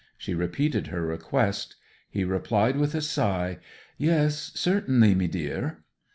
She repeated her request. He replied with a sigh, 'Yes, certainly, mee deer.'